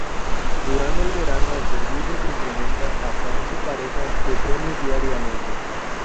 Durando el verano el servicio se incrementa hasta once parejas de trenes diariamente.